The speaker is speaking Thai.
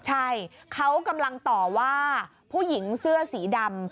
ใช่เขากำลังต่อว่าผู้หญิงเสื้อสีดำ